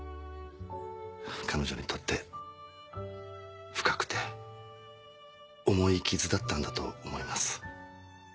彼女にとって深くて重い傷だったんだと思います。